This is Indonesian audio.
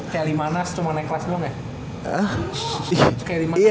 kayak limanas cuma naik kelas doang ya